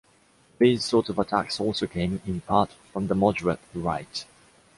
These sorts of attacks also came, in part, from the moderate right.